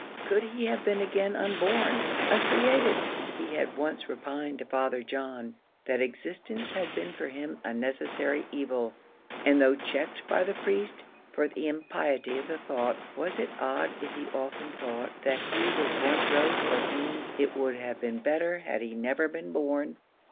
Could he have been again unborn uncreated! He had once repined to Father John, that existence had been for him a necessary evil; and though checked by the priest for the impiety of the thought, was it odd if he often thought, that he was one of those for whom it would have been better had they never been born?